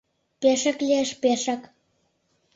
— Пешак лиеш, пешак.